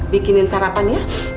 bikinin sarapan ya